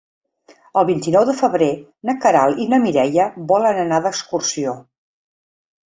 El vint-i-nou de febrer na Queralt i na Mireia volen anar d'excursió.